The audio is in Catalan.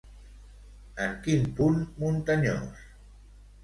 En quin punt muntanyós?